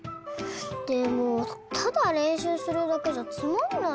でもただれんしゅうするだけじゃつまんないよ。